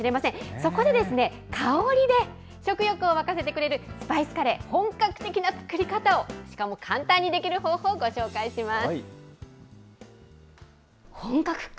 そこでですね、香りで食欲を湧かせてくれるスパイスカレー、本格的な作り方を、しかも簡単にできる方法をご紹介します。